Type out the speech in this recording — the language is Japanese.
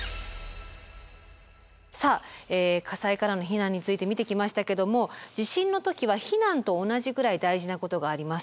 さあ火災からの避難について見てきましたけども地震の時は避難と同じくらい大事なことがあります。